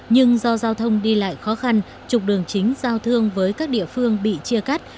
nhưng do giao thông đi lại khó khăn trục đường chính giao thương với các địa phương bị chia cắt